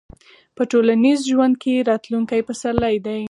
په ټولنیز ژوند کې راتلونکي پسرلي دي.